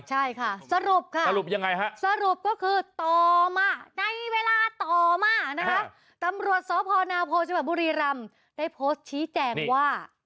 ใช่ค่ะสรุปค่ะสรุปก็คือต่อมาในเวลาต่อมานะครับตำรวจศพนาโพธิบันบุรีรำได้โพสต์ชี้แจ่งว่า